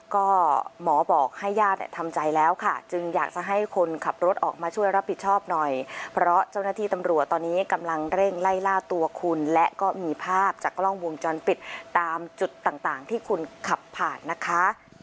ก็หมอบอกให้ญาติทำใจแล้วค่ะจึงอยากจะให้คนขับรถออกมาช่วยรับผิดชอบหน่อยเพราะเจ้าหน้าที่ตำรวจตอนนี้กำลังเร่งไล่ล่าตัวคุณและก็มีภาพจากกล้องวงจรปิดตามจุดต่างที่คุณขับผ่านนะคะ